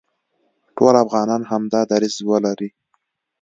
ټول افغانان همدا دریځ ولري،